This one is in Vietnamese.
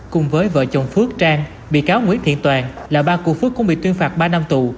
cùng với vợ chồng phước trang bị cáo nguyễn thiện toàn là ba cụ phước cũng bị tuyên phạt ba năm tù